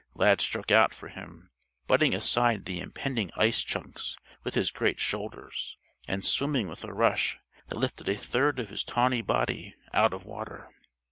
Lad struck out for him, butting aside the impending ice chunks with his great shoulders, and swimming with a rush that lifted a third of his tawny body out of water.